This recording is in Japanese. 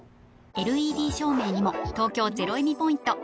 ＬＥＤ照明にも東京ゼロエミポイント使えます